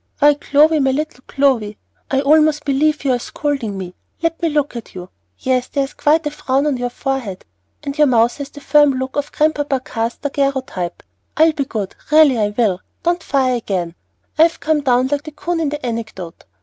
"Why, Clovy my little Clovy, I almost believe you are scolding me! Let me look at you, yes, there's quite a frown on your forehead, and your mouth has the firm look of grandpapa Carr's daguerreotype. I'll be good, really I will. Don't fire again, I've 'come down' like the coon in the anecdote.